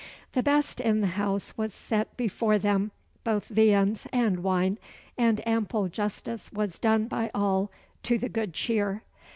The best in the house was set before them both viands and wine and ample justice was done by all to the good cheer.